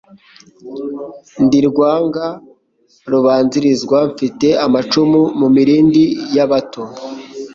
Ndi rwanga kubanzilizwa mfite amacumu mu mirindi y,abato